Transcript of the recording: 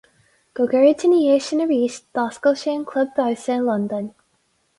Go gairid ina dhiaidh sin arís, d'oscail sé an club damhsa in Londain.